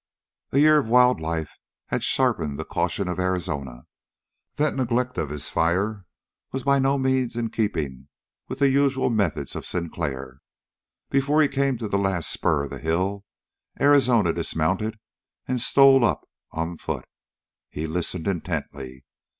A year of wild life had sharpened the caution of Arizona. That neglect of his fire was by no means in keeping with the usual methods of Sinclair. Before he came to the last spur of the hill, Arizona dismounted and stole up on foot. He listened intently.